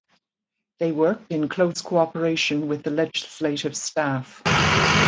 They worked in close cooperation with the legislative staff.